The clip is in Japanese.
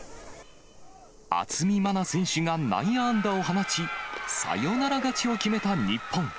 渥美万奈選手が内野安打を放ち、サヨナラ勝ちを決めた日本。